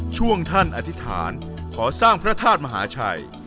ช่วงท่านอธิษฐานขอสร้างพระธาตุมหาชัย